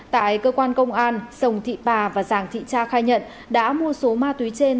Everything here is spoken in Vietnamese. tại cơ quan công an sồng thị bà và giàng thị cha khai nhận đã mua số ma túy trên